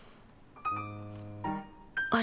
あれ？